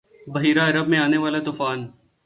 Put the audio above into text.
بحیرہ عرب میں آنے والا ’طوفان